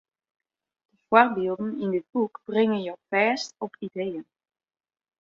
De foarbylden yn dit boek bringe jo fêst op ideeën.